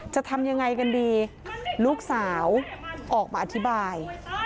จะทำยังไงกันดีลูกสาวออกมาอธิบาย